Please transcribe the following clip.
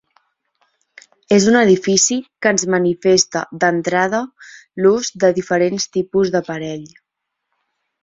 És un edifici que ens manifesta, d'entrada, l'ús de diferents tipus d'aparell.